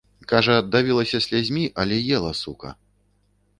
Кажа, давілася слязьмі, але ела, сука.